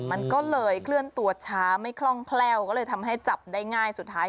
มันก็เลยเคลื่อนตัวช้าไม่คล่องแคล่วก็เลยทำให้จับได้ง่ายสุดท้าย